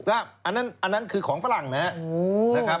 อันนั้นคือของฝรั่งนะครับ